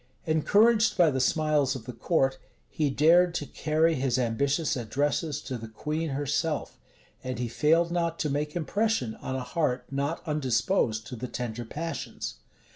Encouraged by the smiles of the court, he dared to carry his ambitious addresses to the queen herself; and he failed not to make impression on a heart not undisposed to the tender passions.